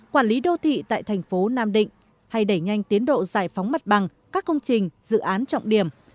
quản lý đô thị tại thành phố nam định hay đẩy nhanh tiến độ giải phóng mặt bằng các công trình dự án trọng điểm